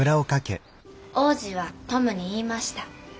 「王子はトムに言いました。